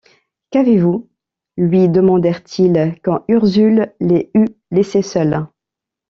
Qu’avez-vous? lui demandèrent-ils quand Ursule les eut laissés seuls.